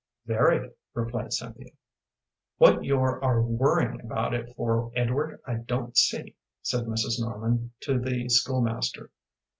"Very," replied Cynthia. "What your are worrying about it for, Edward, I don't see," said Mrs. Norman to the school master.